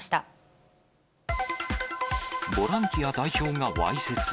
ボランティア代表がわいせつ。